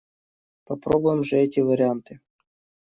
Попробуем же эти варианты!